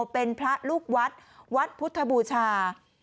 เป็นพระลูกวัดวัดพุทธบูชา